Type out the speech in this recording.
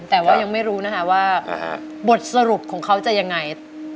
แต่ว่ายังไม่รู้นะคะว่าบทสรุปของเขาจะยังไง